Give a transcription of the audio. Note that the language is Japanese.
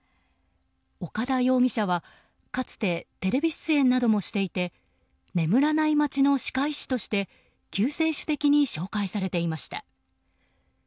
岡田容疑者はかつてテレビ出演などもしていて眠らない街の歯科医師として救世主的に紹介されていました。